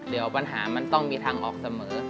เดี๋ยวปัญหามันต้องมีทางออกเสมอ